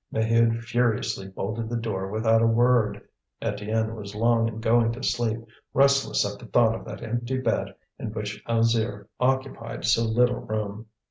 Maheude furiously bolted the door without a word. Étienne was long in going to sleep, restless at the thought of that empty bed in which Alzire occupied so little room.